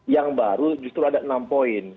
yang baru justru ada enam poin